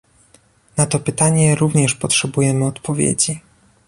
Na to pytanie również potrzebujemy odpowiedzi